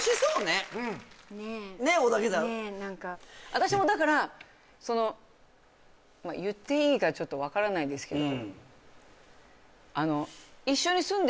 私もだから、言っていいかちょっと分からないですけど。